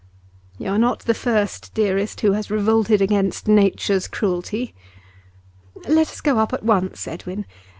'You are not the first, dearest, who has revolted against nature's cruelty.' 'Let us go up at once, Edwin.